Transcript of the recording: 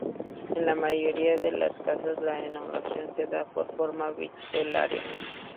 En la mayoría de los casos la elongación se da de forma bilateral.